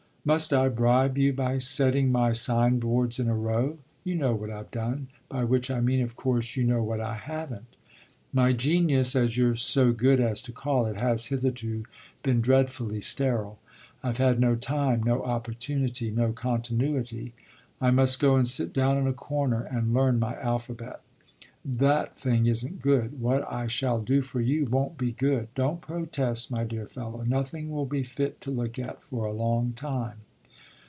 "Must I bribe you by setting my sign boards in a row? You know what I've done; by which I mean of course you know what I haven't. My genius, as you're so good as to call it, has hitherto been dreadfully sterile. I've had no time, no opportunity, no continuity. I must go and sit down in a corner and learn my alphabet. That thing isn't good; what I shall do for you won't be good. Don't protest, my dear fellow; nothing will be fit to look at for a long time."